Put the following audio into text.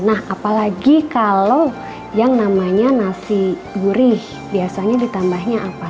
nah apalagi kalau yang namanya nasi gurih biasanya ditambahnya apa